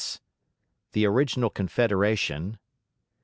The Original Confederation.